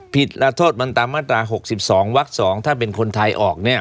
ผิดแล้วโทษมันตามมาตรา๖๒วัก๒ถ้าเป็นคนไทยออก